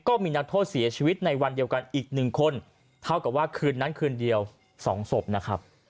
ก็มีนักโทษเสียชีวิตในวันเดียวกันอีก๑คนเท่ากับว่าคืนนั้นคืนเดียว๒ศพนะครับ